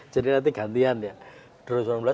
jadi nanti gantian ya